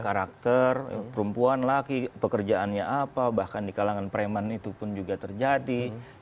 karakter perempuan laki pekerjaannya apa bahkan di kalangan preman itu pun juga terjadi